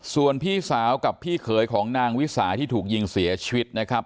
ส่วนพี่สาวกับพี่เขยของนางวิสาที่ถูกยิงเสียชีวิตนะครับ